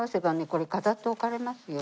これ飾っておかれますよ。